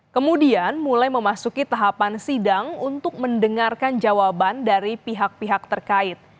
kemudian mulai memasuki tahapan sidang untuk mendengarkan jawaban dari pihak pihak terkait